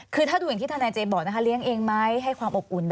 คือถ้าดูอย่างที่ท่านแนร์เจมส์บอกนะคะ